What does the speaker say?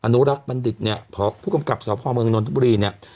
อนุรักษ์บัณฑิตเนี่ยพอผู้กำกับสพเมืองนทบุรีเนี่ย